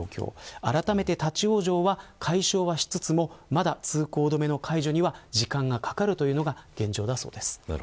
あらためて立ち往生は解消はしつつもまだ通行止めの解除には時間がかかるというのが現状だそうです。